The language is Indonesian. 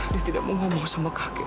dia tidak mau ngomong sama kakek